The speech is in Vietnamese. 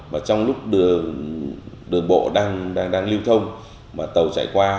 và trong lúc đường bộ đang lưu thông mà tàu chạy qua